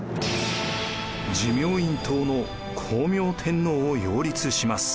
持明院統の光明天皇を擁立します。